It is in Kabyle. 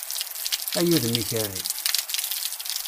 Ay udem n ikerri!